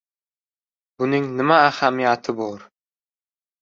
— Buning nima ahamiyati bor?